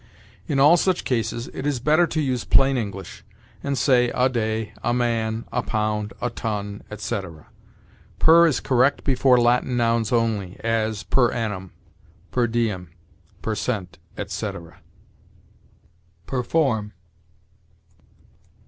In all such cases it is better to use plain English, and say, a day, a man, a pound, a ton, etc. Per is correct before Latin nouns only; as, per annum, per diem, per cent., etc. PERFORM.